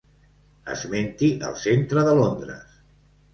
Esmenti el centre de Londres.